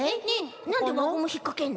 なんでわゴムひっかけんの？